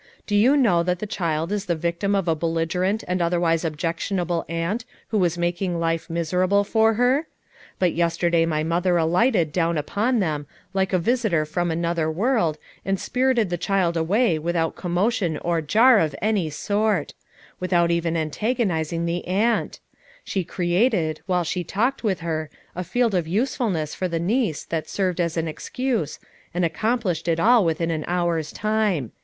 Do you know that the child is the victim of a belligerent and otherwise objectionable aunt who was mak ing life miserable for her? But yesterday my mother alighted down upon them like a visitor from another world and spirited the child away without commotion or jar of any sort; with out even antagonizing the aunt; she created, while she talked with her, a field of usefulness for the niece that served as an excuse, and ac complished it all within an hour's time.